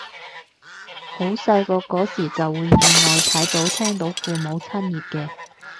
好細個嗰時就會意外睇到聽到父母親熱嘅